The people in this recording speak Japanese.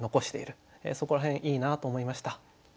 そこら辺いいなと思いました。